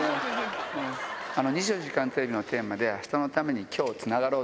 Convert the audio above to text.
２４時間テレビのテーマで、明日のために、今日つながろう。